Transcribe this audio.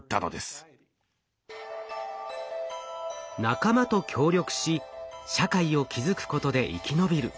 仲間と協力し社会を築くことで生き延びる。